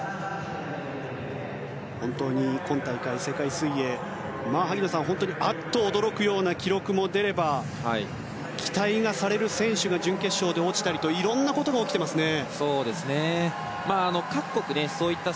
本当に今大会は萩野選手、あっと驚くような記録も出れば期待される選手が準決勝で落ちたりといろんなことが起きていますね。